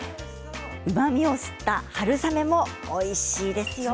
うまみを吸った春雨もおいしいですよ。